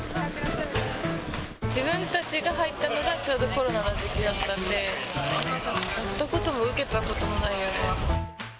自分たちが入ったのが、ちょうどコロナの時期だったんで、やったことも受けたこともないよね。